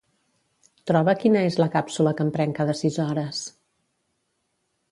Troba quina és la càpsula que em prenc cada sis hores.